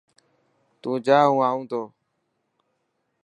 تو جا هون آنو ٿو.